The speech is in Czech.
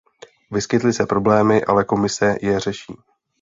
Vyskytly se problémy, ale Komise je řeší.